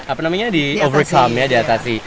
apa namanya di overcome ya di atasi